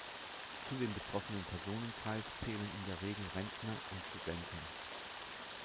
Zu dem betroffenen Personenkreis zählen in der Regel Rentner und Studenten.